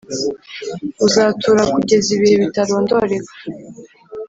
uzatura kugeza ibihe bitarondoreka